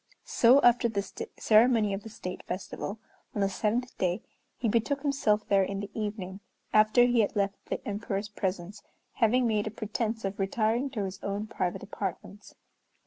So after the ceremony of the State Festival, on the seventh day, he betook himself there in the evening, after he had left the Emperor's presence, having made a pretence of retiring to his own private apartments.